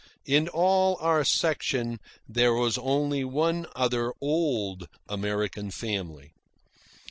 In all our section there was only one other old American family.